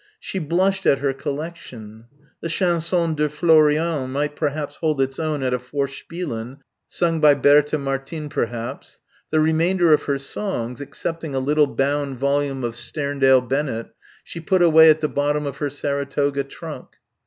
She blushed at her collection. The "Chanson de Florian" might perhaps hold its own at a Vorspielen sung by Bertha Martin perhaps.... The remainder of her songs, excepting a little bound volume of Sterndale Bennett, she put away at the bottom of her Saratoga trunk.